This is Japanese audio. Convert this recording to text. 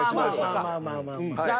まあまあまあまあ。